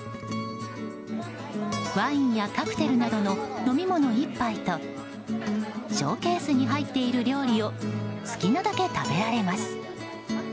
ワインやカクテルなどの飲み物１杯とショーケースに入っている料理を好きなだけ食べられます。